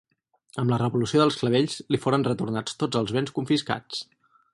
Amb la revolució dels Clavells li foren retornats tots els béns confiscats.